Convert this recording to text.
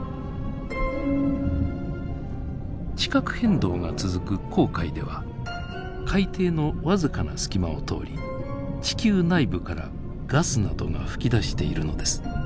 地殻変動が続く紅海では海底の僅かな隙間を通り地球内部からガスなどが噴き出しているのです。